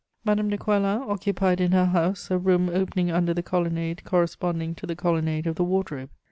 Madame de Coislin occupied in her house a room opening under the colonnade corresponding to the colonnade of the Wardrobe.